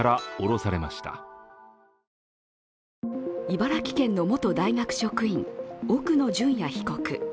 茨城県の元大学職員、奥野淳也被告。